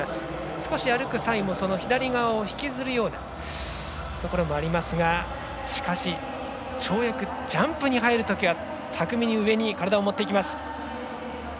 少し歩く際も、左側を引きずるようなところもありますがしかし跳躍ジャンプに入るときは巧みに上に体を持っていきます。